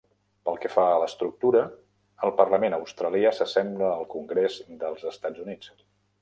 Pel que fa a l'"estructura", el parlament australià s'assembla al congrés dels Estats Units.